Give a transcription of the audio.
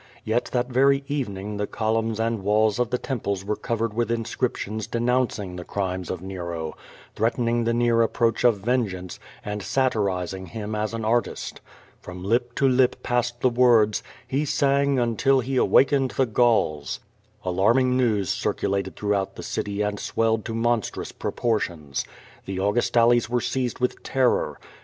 Yet that very evening the columns and walls of the temples were covered with inscriptions denounc ing the crimes of Nero, threatening the near approach of ven geance, and satirizing him as an artist. From lip to lip passed the words: "He sang until he awakened the Gauls.*'* Alarm ing news circulated throughout the city and swelled to mon strous proportions. The Augustales were seized with terror.